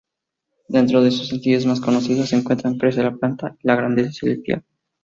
Dentro de sus sencillos más conocidos se encuentran "Crece La Planta" y "Grandeza Celestial".